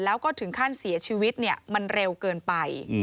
แล้วก็ถึงขั้นเสียชีวิตมันเร็วเกินไป